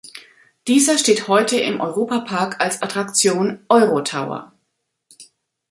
Dieser steht heute im Europa-Park als Attraktion Euro-Tower.